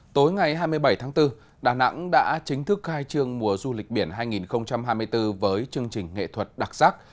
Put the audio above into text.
tối ngày hai mươi bảy tháng bốn đà nẵng đã chính thức khai trương mùa du lịch biển hai nghìn hai mươi bốn với chương trình nghệ thuật đặc sắc